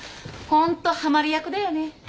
ホントはまり役だよね。